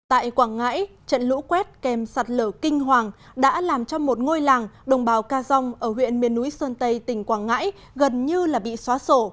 tại quảng ngãi trận lũ quét kèm sạt lở kinh hoàng đã làm cho một ngôi làng đồng bào ca dông ở huyện miền núi sơn tây tỉnh quảng ngãi gần như là bị xóa sổ